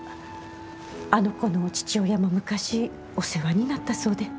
あの子の父親も昔お世話になったそうで。